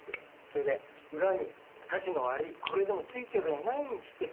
それで裏にたちの悪いこれでもついちょるんやないんっちゅって。